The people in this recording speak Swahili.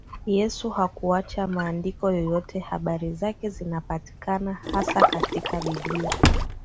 Yesu hakuacha maandiko yoyote habari zake zinapatikana hasa katika Biblia